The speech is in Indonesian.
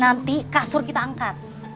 nanti kasur kita angkat